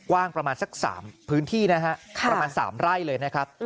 กว้างประมาณสัก๓พื้นที่นะฮะประมาณ๓ไร่เลยนะครับ